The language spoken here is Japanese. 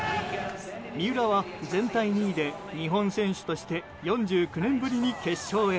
三浦は全体２位として４９年ぶりに決勝へ。